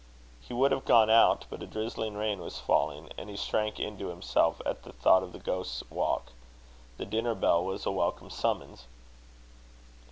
He would have gone out, but a drizzling rain was falling; and he shrank into himself at the thought of the Ghost's Walk. The dinner bell was a welcome summons.